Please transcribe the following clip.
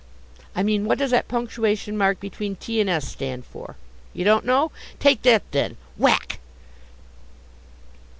I mean, what does that punctuation mark between t and s stand for? You don't know? Take that, then! (whack).